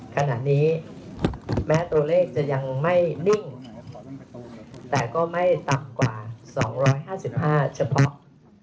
ขณะนี้แม้ตัวเลขจะยังไม่นิ่งแต่ก็ไม่ต่ำกว่า๒๕๕เฉพาะ